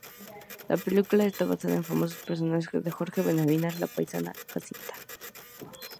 La película está basada en el famoso personaje de Jorge Benavides, La paisana Jacinta.